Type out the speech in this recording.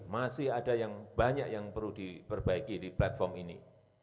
masih ada yang banyak yang perlu diperbaiki di platform ini